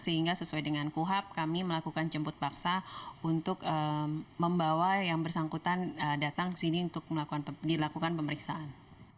sehingga sesuai dengan kuhap kami melakukan jemput paksa untuk membawa yang bersangkutan datang ke sini untuk dilakukan pemeriksaan